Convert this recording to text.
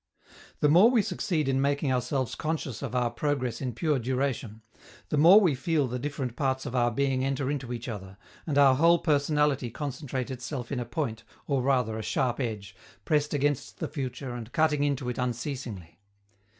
The more we succeed in making ourselves conscious of our progress in pure duration, the more we feel the different parts of our being enter into each other, and our whole personality concentrate itself in a point, or rather a sharp edge, pressed against the future and cutting into it unceasingly.